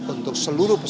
untuk seluruh peserta